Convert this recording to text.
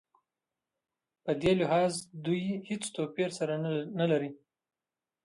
په دې لحاظ دوی هېڅ توپیر سره نه لري.